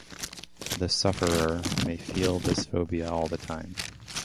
The sufferer may feel this phobia all the time.